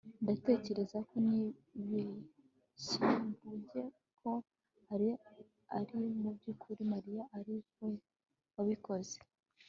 ndatekereza ko nibeshye mvuga ko alain ari mubyukuri mariya ari we wabikoze